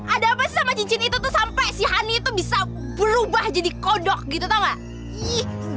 ada apa sih sama cincin itu tuh sampai si hani itu bisa berubah jadi kodok gitu tau gak